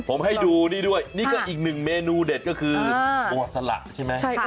ผมให้ดูนี่ด้วยนี่ก็อีกหนึ่งเมนูเด็ดก็คือตัวสละใช่ไหม